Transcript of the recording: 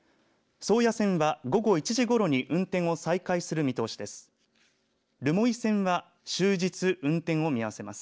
宗谷線は午後１時ごろに運転を再開する見通しです。